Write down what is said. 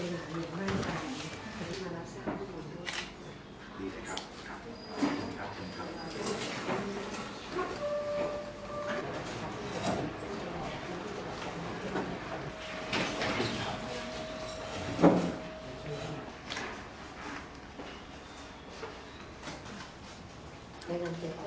สวัสดีครับ